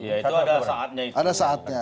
iya itu ada saatnya itu